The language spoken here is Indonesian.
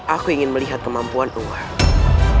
aku ingin melihat kemampuan award